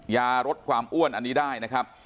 ยาลดความอ้วนอันนี้ได้นะครับ